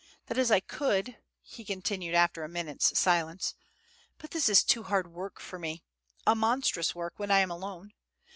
That is, I could," he continued again after a minute's silence, "but this is too hard work for me, a monstrous work, when I am alone.